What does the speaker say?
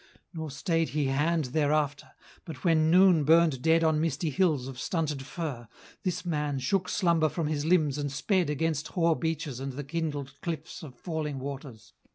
Nor stayed he hand thereafter; but when noon Burned dead on misty hills of stunted fir, This man shook slumber from his limbs and sped Against hoar beaches and the kindled cliffs Of falling waters.